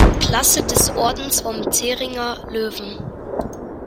Klasse des Ordens vom Zähringer Löwen.